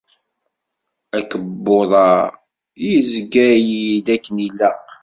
Akebbuḍ-a yezga-yi-d akken ilaq.